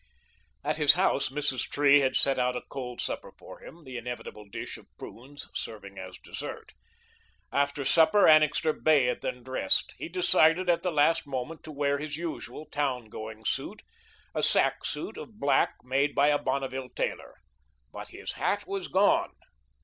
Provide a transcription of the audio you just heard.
At his house, Mrs. Tree had set out a cold supper for him, the inevitable dish of prunes serving as dessert. After supper Annixter bathed and dressed. He decided at the last moment to wear his usual town going suit, a sack suit of black, made by a Bonneville tailor. But his hat was gone.